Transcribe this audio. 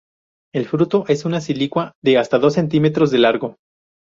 El fruto es una silicua de hasta dos centímetros de largo.